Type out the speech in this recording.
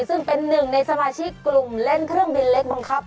ซึ่งเป็นหนึ่งในสมาชิกกลุ่มเล่นเครื่องบินเล็กบังคับ